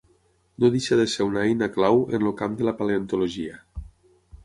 No deixa de ser una eina clau en el camp de la paleontologia.